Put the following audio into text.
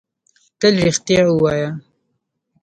تل رېښتيا وايه